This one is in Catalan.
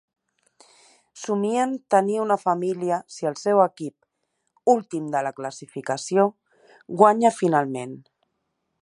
Somien tenir una família si el seu equip, últim de la classificació, guanya finalment.